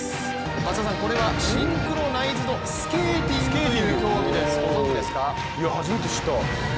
松田さん、これはシンクロナイズドスケーティングという競技ですいや、初めて知った。